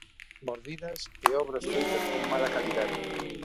Mordidas e obras feitas con mala calidade.